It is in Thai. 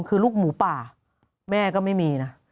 คือลูกหมูป่าแม่ก็ไม่มีนะ